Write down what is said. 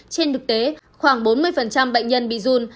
trên thực tế khoảng bốn mươi bệnh nhân bị run